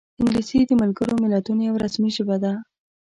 انګلیسي د ملګرو ملتونو یوه رسمي ژبه ده